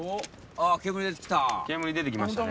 あっ煙出てきた。